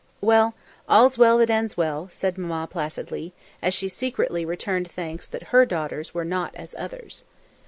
"Well, all's well that ends well," said Mamma placidly, as she secretly returned thanks that her daughters were not as others.